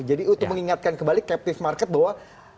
jadi untuk mengingatkan kembali captive market bahwa